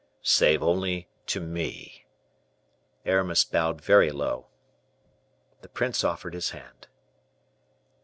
"Save only to me." Aramis bowed very low. The prince offered his hand.